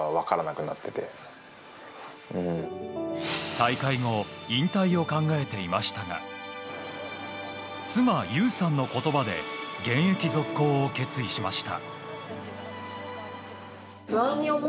大会後引退を考えていましたが妻・優さんの言葉で現役続行を決意しました。